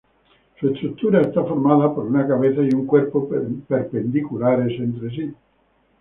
Su estructura está formada por una cabeza y un cuerpo, perpendiculares entre sí.